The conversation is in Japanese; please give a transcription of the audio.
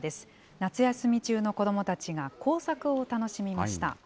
夏休み中の子どもたちが、工作を楽しみました。